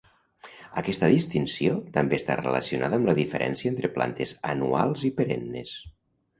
Aquesta distinció també està relacionada amb la diferència entre plantes anuals i perennes.